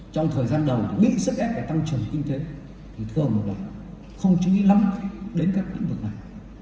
trong thời gian đầu bị sức ép về tăng trưởng kinh tế thì thường là không chú ý lắm đến các vấn đề này